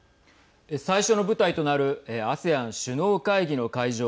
最初の舞台となるＡＳＥＡＮ首脳会議の会場